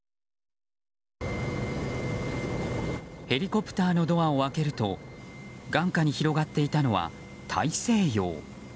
ヘリコプターのドアを開けると眼下に広がっていたのは大西洋。